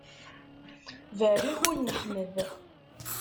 Berrik ul n Ḥmed.